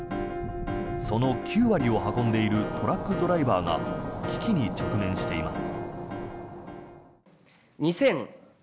その９割を運んでいるトラックドライバーが危機に直面しています。